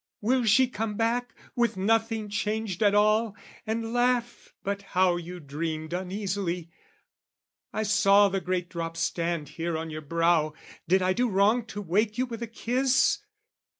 "Will she come back, with nothing changed at all, "And laugh 'But how you dreamed uneasily! "'I saw the great drops stand here on your brow "'Did I do wrong to wake you with a kiss?'